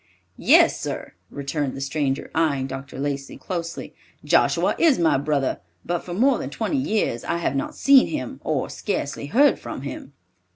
"Yes, sir," returned the stranger, eyeing Dr. Lacey closely; "Joshua is my brother, but for more than twenty years I have not seen him, or scarcely heard from him."